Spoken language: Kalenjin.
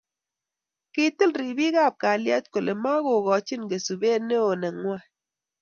kitil ribik ab kalyet kole makokochin kosubet neo nengwai